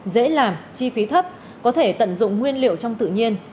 dễ làm chi phí thấp có thể tận dụng nguyên liệu trong tự nhiên